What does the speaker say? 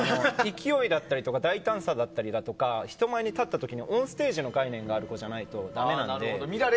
勢いだったり大胆さだったり人前に立った時にオンステージの概念がないとダメなので。